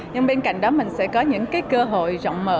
nhưng bên cạnh đó mình sẽ có những cái cơ hội rộng mở